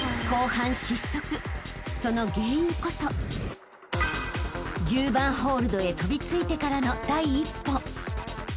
［その原因こそ１０番ホールドへ飛びついてからの第一歩］